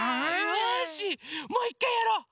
よしもういっかいやろう！